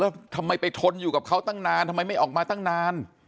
แล้วทำไมไปทนอยู่กับเขาตั้งนานทำไมไม่ออกมาตั้งนาน